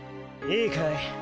いいかい？